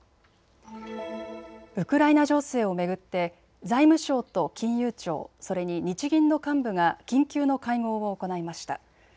ウクライナ情勢を巡って財務省と金融庁、それに日銀の幹部が緊急の会合を行いました。